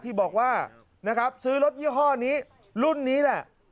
ที่บอกว่านะครับซื้อรถยี่ห้อนี้รุ่นนี้แหละ